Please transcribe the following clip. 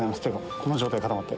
この状態で固まって。